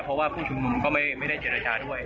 เพราะว่าผู้ชุมนุมก็ไม่ได้เจรจาด้วย